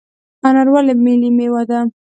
انار ولې ملي میوه ده؟